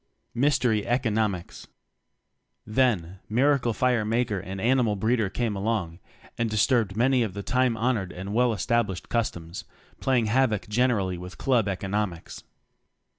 Mystery Economics. Then, Miracle Fire Maker and Ani mal Breeder came along, and dis turbed many of the time honored and well established customs playing havoc generally with club economics.